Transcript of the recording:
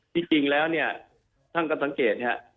ที่จริงแล้วเนี่ยท่านกำลังเกตนะฮะ